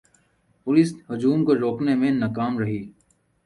police ہجوم کو روکنے میں ناکام رہی